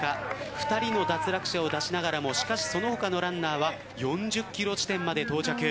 ２人の脱落者を出しながらもしかし、その他のランナーは４０キロ地点まで到着。